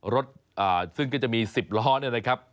รถซึ่งก็จะมี๑๐ล้อนะครับ